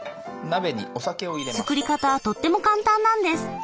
作り方はとっても簡単なんです。